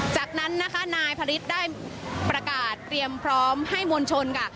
จากนั้นนะคะนายพระฤทธิ์ได้ประกาศเตรียมพร้อมให้มวลชนค่ะ